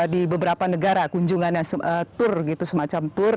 di beberapa negara kunjungan tour gitu semacam tour